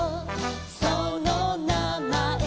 そのなまえ」